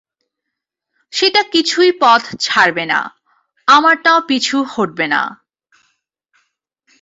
সেটা কিছুই পথ ছাড়বে না, আমারটাও পিছু হটবে না।